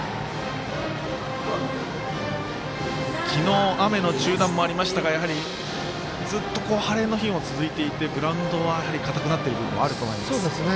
昨日、雨の中断もありましたがずっと晴れの日も続いていてグラウンドは硬くなっている部分もあると思います。